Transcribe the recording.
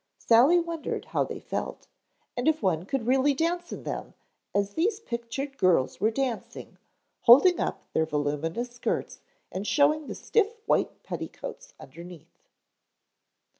Sally wondered how they felt and if one could really dance in them as these pictured girls were dancing, holding up their voluminous skirts and showing the stiff white petticoats underneath.